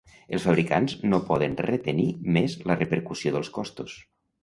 Els fabricants no poden retenir més la repercussió dels costos.